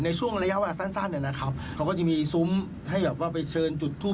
ในช่วงระยะเวลาสั้นนะครับเขาก็จะมีซุ้มให้แบบว่าไปเชิญจุดทูป